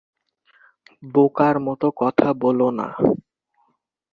বোকার মতো কথা বল না।